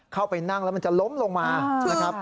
เข้าไปนั่งแล้วมันจะล้มลงมานะครับ